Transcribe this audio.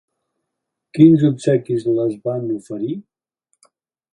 Quins obsequis les van oferir?